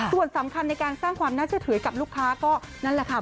ส่วนสำคัญในการสร้างความน่าเชื่อถือให้กับลูกค้าก็นั่นแหละค่ะ